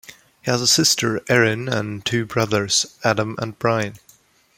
He has a sister Erin and two brothers, Adam and Brian.